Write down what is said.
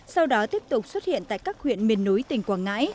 sau đó tiếp tục xuất hiện tại các huyện miền núi tỉnh quảng ngãi